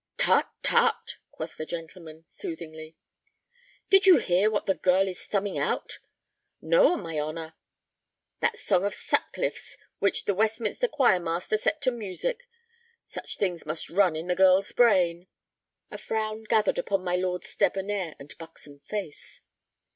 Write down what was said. "Tut—tut!" quoth the gentleman, soothingly. "Did you hear what the girl is thumbing out?" "No, on my honor." "That song of Sutcliffe's which the Westminster choir master set to music! Such things must run in the girl's brain." A frown gathered upon my lord's debonair and buxom face.